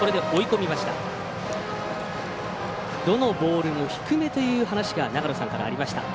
どのボールも低めという話が長野さんからありました。